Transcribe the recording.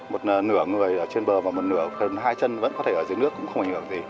một nửa người ở trên bờ và một nửa gần hai chân vẫn có thể ở dưới nước cũng không ảnh hưởng gì